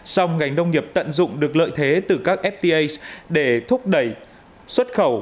xong ngành nông nghiệp tận dụng được lợi thế từ các ftas để thúc đẩy xuất khẩu